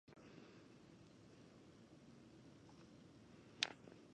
The letters are usually sorted into different streets.